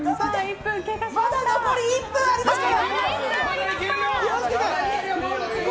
まだ残り１分ありますから！